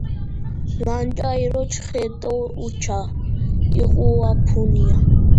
ლანჭა ირო ჩხე დო უჩა იჸუაფუნია